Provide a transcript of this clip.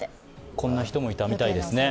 こんな人もいたみたいですね。